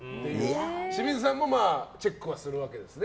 清水さんもチェックはするわけですね。